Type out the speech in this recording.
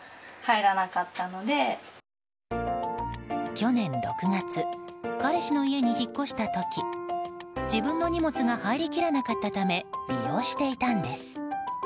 去年６月彼氏の家に引っ越した時自分の荷物が入りきらなかったため利用していたんです。